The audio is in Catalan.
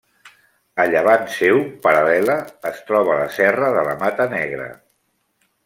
A llevant seu, paral·lela, es troba la Serra de la Mata Negra.